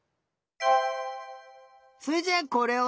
それじゃあこれは？